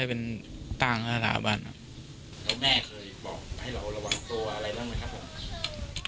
แล้วแม่เคยบอกให้เราระวังตัวอะไรบ้างไหมครับผม